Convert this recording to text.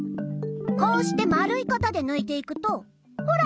こうしてまるいかたでぬいていくとほら！